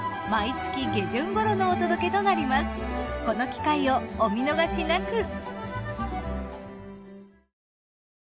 この機会をお見逃しなく。